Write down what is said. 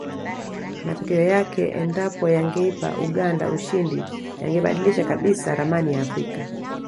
Matokeo yake endapo yangeipa Uganda ushindi yangebadilisha kabisa ramani ya afrika